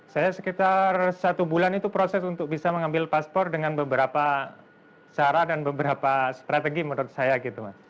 saya sekitar satu bulan itu proses untuk bisa mengambil paspor dengan beberapa cara dan beberapa strategi menurut saya gitu mas